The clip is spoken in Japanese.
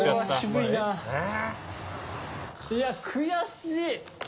いや、悔しい！